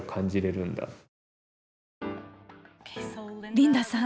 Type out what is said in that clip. リンダさん